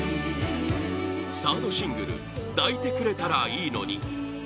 サードシングル「抱いてくれたらいいのに」